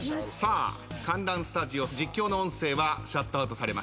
観覧スタジオ実況の音声はシャットアウトされました。